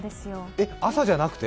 え、朝じゃなくて！？